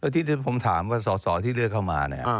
ที่ผมถามว่าสอสอที่เลือกเข้ามา